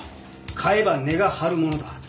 買えば値が張るものだ。